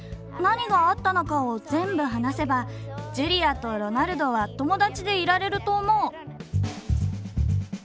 何があったのかを全部話せばジュリアとロナルドは友だちでいられると思う。